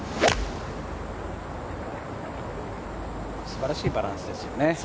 すばらしいバランスですよね。